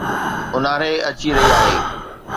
اونهاري اچي رهي آهي